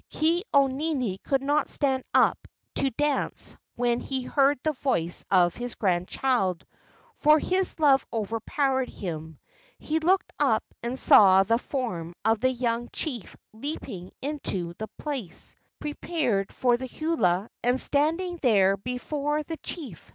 " Ke au nini could not stand up to dance when he heard the voice of his grandchild, for his love overpowered him. He looked up and saw the form of the young chief leaping into the place prepared for the hula and standing there before the chief.